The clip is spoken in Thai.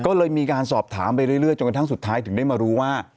ก็เลยมีการสอบถามไปเรื่อยจนกระทั่งสุดท้ายถึงได้มารู้ว่า